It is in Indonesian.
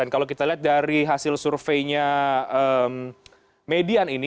kalau kita lihat dari hasil surveinya median ini